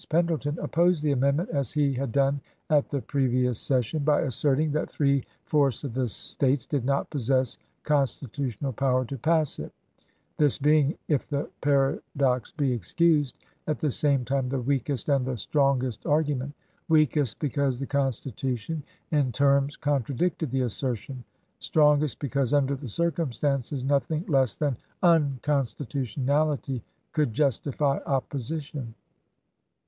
Pendleton, opposed the amendment, as he had done at the previous session, by asserting that three fourths of the States did not possess constitu tional power to pass it, this being — if the paradox be excused — at the same time the weakest and the strongest argument : weakest, because the Consti tution in terms contradicted the assertion ; strong est, because under the circumstances nothing less than unconstitutionality could justify opposition.